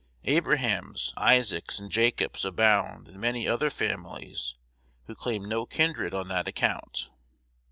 Abrahams, Isaacs, and Jacobs abound in many other families who claim no kindred on that account.